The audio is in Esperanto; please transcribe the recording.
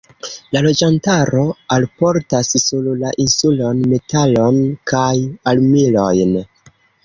La loĝantaro alportas sur la insulon metalon kaj armilojn.